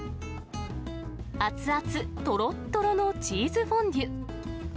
熱々、とろっとろのチーズフォンデュ。